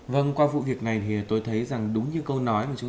vâng qua vụ việc này thì tôi thấy rằng đúng như câu nói